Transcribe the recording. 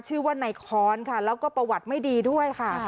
ชื่อว่าในค้อนค่ะแล้วก็ประวัติไม่ดีด้วยค่ะ